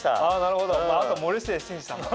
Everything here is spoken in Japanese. あと森末慎二さんとかね。